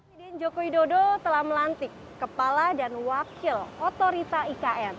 presiden joko widodo telah melantik kepala dan wakil otorita ikn